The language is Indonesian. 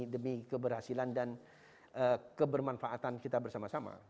demi keberhasilan dan kebermanfaatan kita bersama sama